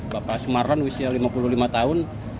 bapak sumarlan usia lima puluh lima tahun